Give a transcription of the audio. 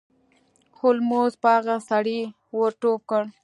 هولمز په هغه سړي ور ټوپ کړ.